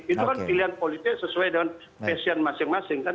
itu kan pilihan politik sesuai dengan passion masing masing kan